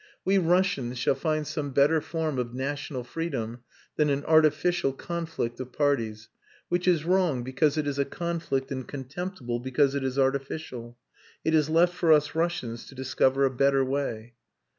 We Russians shall find some better form of national freedom than an artificial conflict of parties which is wrong because it is a conflict and contemptible because it is artificial. It is left for us Russians to discover a better way."